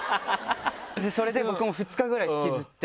それで僕も２日ぐらい引きずって。